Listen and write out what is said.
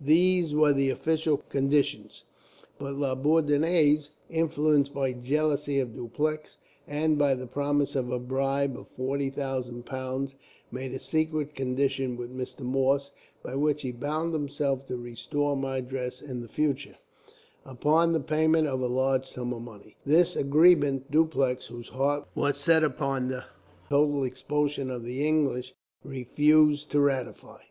These were the official conditions; but La Bourdonnais, influenced by jealousy of Dupleix, and by the promise of a bribe of forty thousand pounds, made a secret condition with Mr. Morse, by which he bound himself to restore Madras in the future, upon the payment of a large sum of money. This agreement Dupleix, whose heart was set upon the total expulsion of the English, refused to ratify.